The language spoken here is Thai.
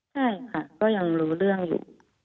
ใช่ค่ะก็ยังรู้เรื่องอยู่